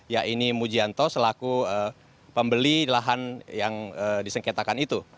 yaitu mujianto selaku pembeli lahan yang disengketakan itu